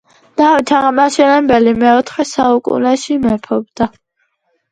დავით აღმაშენებელი მეოთხე საუკუნეში მეფობდა